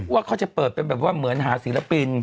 ว่าเขาจะเปิดเป็นแบบว่าเหมือนหาศิลปิน